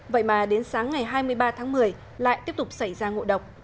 vậy mà đến sáng ngày hai mươi ba tháng một mươi lại tiếp tục xảy ra ngộ độc